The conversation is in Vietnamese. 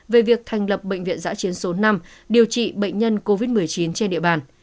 về việc thành lập bệnh viện giã chiến số năm điều trị bệnh nhân covid một mươi chín trên địa bàn